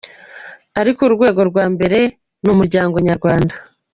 Ariko urwego rwa mbere ni umuryango nyarwanda.